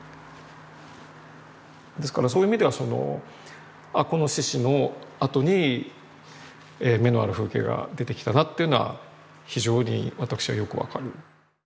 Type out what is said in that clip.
ですからそういう意味ではそのこの「シシ」のあとに「眼のある風景」が出てきたなっていうのは非常に私はよく分かる。